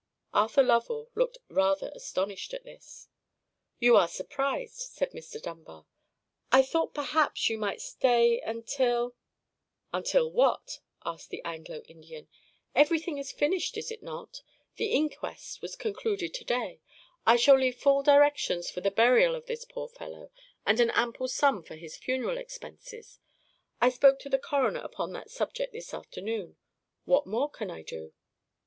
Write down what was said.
Arthur Lovell looked rather astonished at this. "You are surprised," said Mr. Dunbar. "I thought perhaps that you might stay—until——" "Until what?" asked the Anglo Indian; "everything is finished, is it not? The inquest was concluded to day. I shall leave full directions for the burial of this poor fellow, and an ample sum for his funeral expenses. I spoke to the coroner upon that subject this afternoon. What more can I do?"